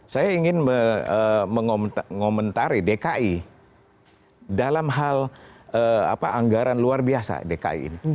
saya ingin mengomentari dki dalam hal anggaran luar biasa dki ini